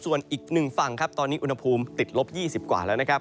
ส่วนอีก๑ฝั่งครับตอนนี้อุณหภูมิติดลบ๒๐กว่าแล้วนะครับ